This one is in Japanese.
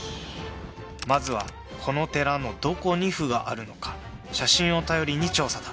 まずはこの寺のどこに「不」があるのか写真を頼りに調査だ